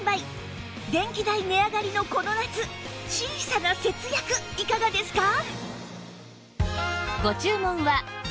電気代値上がりのこの夏小さな節約いかがですか？